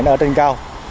nó ở trên cao